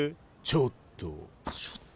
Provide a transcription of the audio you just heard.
「ちょっと」？